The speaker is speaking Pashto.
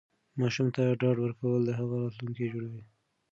ماشوم ته ډاډ ورکول د هغه راتلونکی جوړوي.